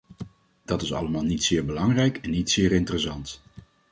Dat is allemaal niet zeer belangrijk en niet zeer interessant.